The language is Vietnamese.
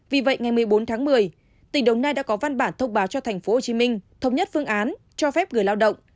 vì vậy ngày một mươi bốn tháng một mươi tỉnh đồng nai đã có văn bản thông báo cho tp hcm thống nhất phương án cho phép người lao động